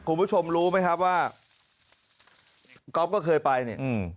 คุณผู้ชมรู้ไหมครับว่าก๊อฟก็เคยไปเนี่ยอืม